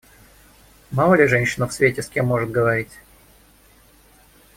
Мало ли женщина в свете с кем может говорить?